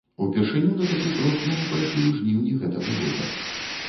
Упершыню на такі крок яны пайшлі ў жніўні гэтага года.